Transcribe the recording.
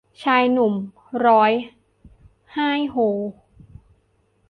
ชายหนุ่มร้อยไห้โฮ